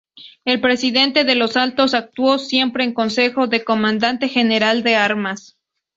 El Presidente de los Altos actuó siempre en consejo del Comandante General de Armas.